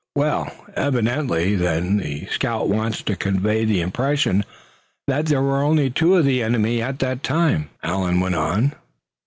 "Well, evidently then the scout wants to convey the impression that there were only two of the enemy at that time," Allan went on.